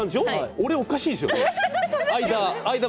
俺、間、おかしいでしょう？